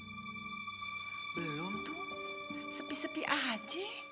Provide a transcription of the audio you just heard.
belum tuh sepi sepi aja